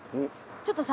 ちょっとさ